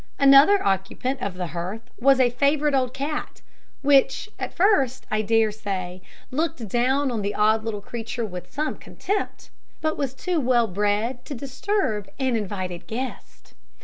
Another occupant of the hearth was a favourite old cat, which at first, I daresay, looked down on the odd little creature with some contempt, but was too well bred to disturb an invited guest.